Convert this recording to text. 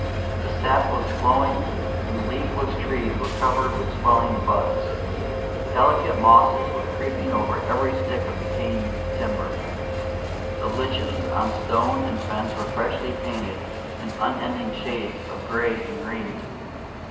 The sap was flowing, and leafless trees were covered with swelling buds. Delicate mosses were creeping over every stick of decaying timber. The lichens on stone and fence were freshly painted in unending shades of gray and green.